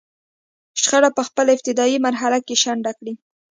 شخړه په خپله ابتدايي مرحله کې شنډه کړي.